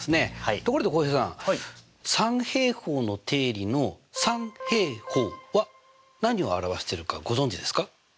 ところで浩平さん三平方の定理の「三平方」は何を表してるかご存じですか？